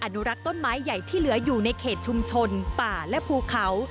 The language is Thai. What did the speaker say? อนุรักษ์ต้นไม้ใหญ่ที่เหลืออยู่ในเขตชุมชนป่าและภูเขา